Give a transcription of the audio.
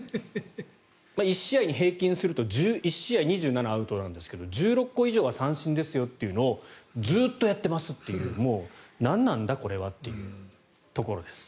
１試合に平均すると１１試合２７アウトなんですが１６個は三振なんですよというのをずっとやってますというのはなんなんだ、これはというところです。